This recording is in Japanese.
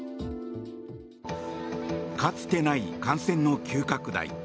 かつてない感染の急拡大。